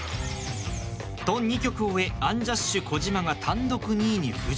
東２局を終えアンジャッシュ児嶋が単独２位に浮上。